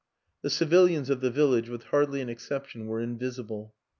The civilians of the village, with hardly an ex ception, were invisible.